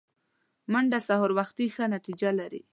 منډه سهار وختي ښه نتیجه لري